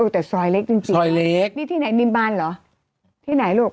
แต่ซอยเล็กจริงจริงซอยเล็กนี่ที่ไหนนิมบานเหรอที่ไหนลูก